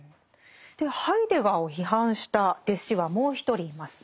でハイデガーを批判した弟子はもう１人います。